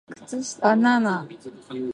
Banana